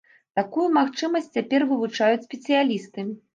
Такую магчымасць цяпер вывучаюць спецыялісты.